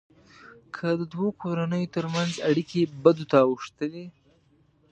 که د دوو کورنيو ترمنځ اړیکې بدو ته اوښتلې.